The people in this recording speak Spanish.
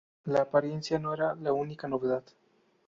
La apariencia no era la única novedad.